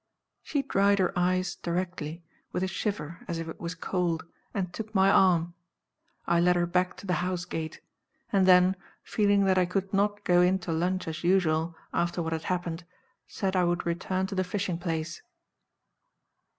She dried her eyes directly, with a shiver as if it was cold, and took my arm. I led her back to the house gate; and then, feeling that I could not go in to lunch as usual, after what had happened, said I would return to the fishing place.